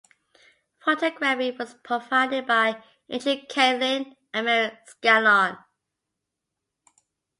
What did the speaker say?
Photography was provided by Andrew Catlin and Mary Scanlon.